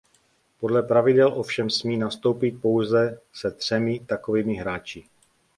Podle pravidel ovšem smí nastoupit pouze se třemi takovými hráči.